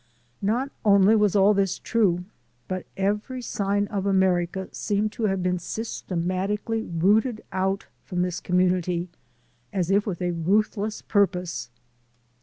Not only was all this true, but every sign of America seemed to have been systematically rooted out from this community as if with a ruthless pur AN IMMIGRANT COMMUNITY 229 pose.